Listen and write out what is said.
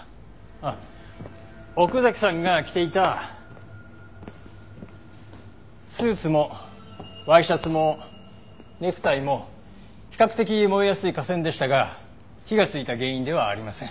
あっ奥崎さんが着ていたスーツもワイシャツもネクタイも比較的燃えやすい化繊でしたが火がついた原因ではありません。